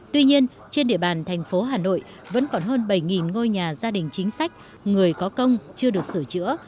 tuy nhiên trên địa bàn thành phố hà nội vẫn còn hơn bảy ngôi nhà gia đình chính sách người có công chưa được sửa chữa